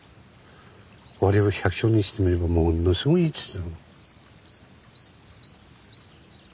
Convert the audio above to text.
俺ら百姓にしてみればものすごいいい土だ。